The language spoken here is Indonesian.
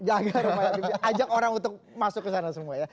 jaga rumah yatim pihak ajak orang untuk masuk ke sana semua ya